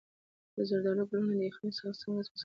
د زردالو ګلونه د یخنۍ څخه څنګه وساتم؟